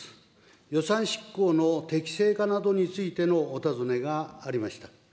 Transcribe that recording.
予算執行の適正化などについてのお尋ねがありました。